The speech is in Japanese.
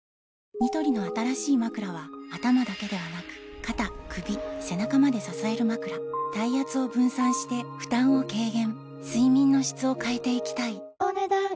ニトリの新しいまくらは頭だけではなく肩・首・背中まで支えるまくら体圧を分散して負担を軽減睡眠の質を変えていきたいお、ねだん以上。